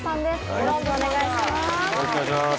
よろしくお願いします